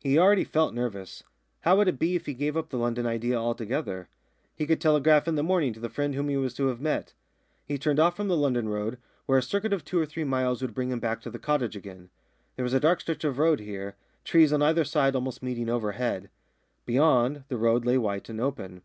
He already felt nervous. How would it be if he gave up the London idea altogether? He could telegraph in the morning to the friend whom he was to have met. He turned off from the London road, where a circuit of two or three miles would bring him back to his cottage again. There was a dark stretch of road here, trees on either side almost meeting overhead. Beyond, the road lay white and open.